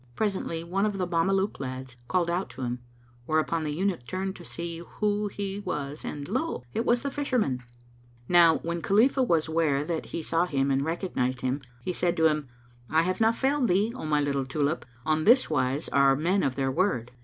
Presently, one of the Mameluke lads called out to him; whereupon the Eunuch turned to see who he was an lo! it was the Fisherman. Now when Khalifah was ware that he saw him and recognized him, he said to him, "I have not failed thee, O my little Tulip! [FN#234] On this wise are men of their word."